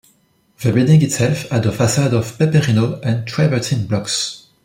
The building itself had a facade of peperino and travertine blocks.